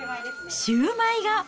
シューマイが。